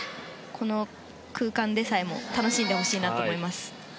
この空間でさえも楽しんでほしいなと思います。